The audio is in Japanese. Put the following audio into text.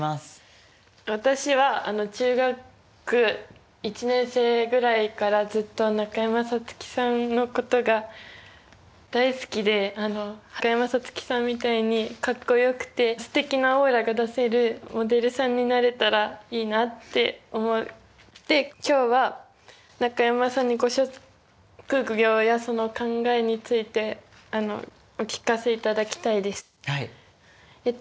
私は中学１年生ぐらいからずっと中山咲月さんのことが大好きで中山咲月さんみたいにかっこよくてすてきなオーラが出せるモデルさんになれたらいいなって思って今日は中山さんにご職業やその考えについてお聞かせいただきたいです。